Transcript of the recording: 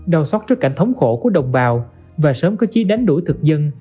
đau xót trước cảnh thống khổ của đồng bào và sớm có chí đánh đuổi thực dân